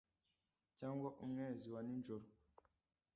cyangwa umwezi wa nijoro